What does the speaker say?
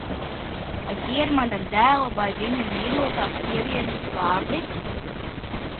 Vai tie ir mana dēla vai viņa mīļotās sievietes vārdi?